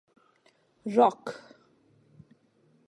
Rock.